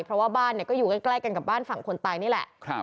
เพราะว่าบ้านก็อยู่ใกล้กันกับบ้านฝั่งคนตายนี่แหละ